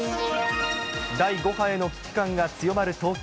第５波への危機感が強まる東京。